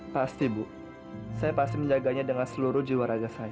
pasti bu saya pasti menjaganya dengan seluruh jiwa raga saya